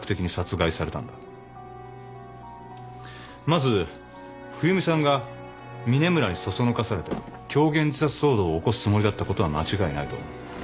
まず冬美さんが峰村に唆されて狂言自殺騒動を起こすつもりだったことは間違いないと思う。